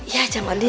ya jamu ding